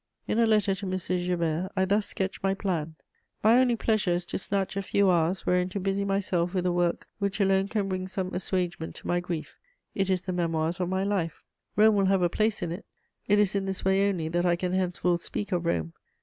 In a letter to M. Joubert I thus sketched my plan: "My only pleasure is to snatch a few hours wherein to busy myself with a work which alone can bring some assuagement to my grief: it is the Memoirs of my Life. Rome will have a place in it; it is in this way only that I can henceforth speak of Rome.